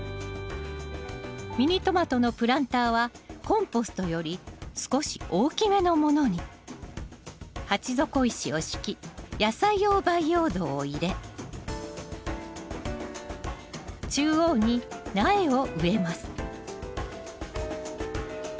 ミニトマトのプランターはコンポストより少し大きめのものに鉢底石を敷き野菜用培養土を入れ中央に苗を植えます